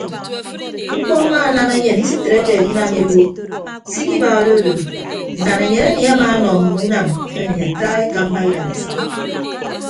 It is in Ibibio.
Mkpọ amaanam enyen isitreke edinam iwuo se ikiba odo odo nnanaenyen emi amaanọ mme unam emi ata ekamba idadesịd.